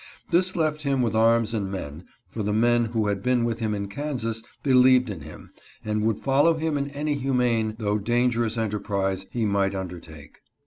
This left him with arms and men, for the men who had been with him in Kansas believed in him, and would follow him in any humane though dangerous enterprise he might undertake.